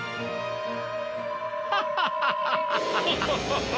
ハハハハハ！